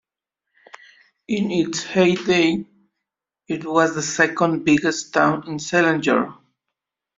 In its heyday, it was the second biggest town in Selangor.